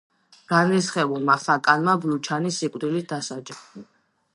განრისხებულმა ხაკანმა ბლუჩანი სიკვდილით დასაჯა.